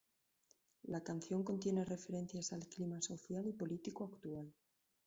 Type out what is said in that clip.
La canción contiene referencias al clima social y político actual.